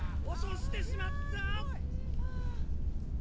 落としてしまった！